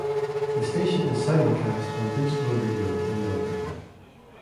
The station is simulcast on digital radio in Melbourne.